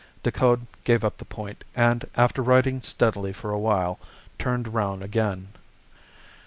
Decoud gave up the point, and after writing steadily for a while turned round again.